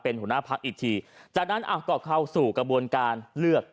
หัวหน้าพักอีกทีจากนั้นอ่ะก็เข้าสู่กระบวนการเลือก